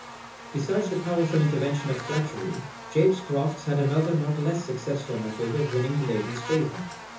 Besides the powerful intervention of flattery, James Crofts had another not less successful method of winning the lady's favour.